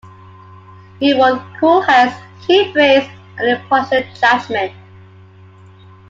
We want cool heads, keen brains and impartial judgement.